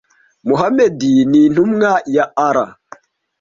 Muhamadi ni intumwa ya Allah